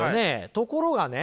ところがね